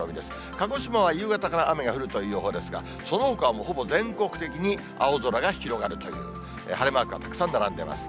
鹿児島は夕方から雨が降るという予報ですが、そのほかはもうほぼ全国的に青空が広がるという、晴れマークがたくさん並んでます。